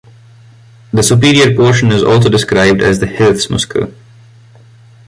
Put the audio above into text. The superior portion is also described as the "Hilfsmuskel".